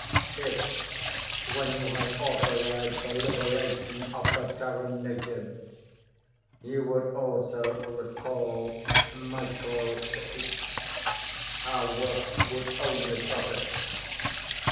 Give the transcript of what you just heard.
If, when you have authorized the liberation of the Terran natives, you would also recall MIRO CIX, our work could only profit.